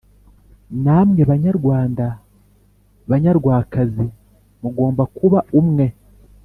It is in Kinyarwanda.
namwe banyarwanda, banyarwakazi mugomba kuba umwe